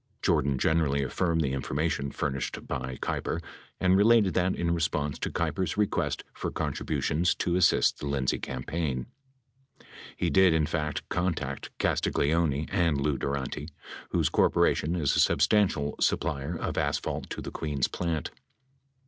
Jordan generally affirmed the information furnished by Kei per and related that in response to Keiper's request for contributions to assist the Lindsay campaign, he did, in fact, contact Castagleoni and Lou Durante, whose corporation is a substantial supplier of asphalt to the Queens Plant.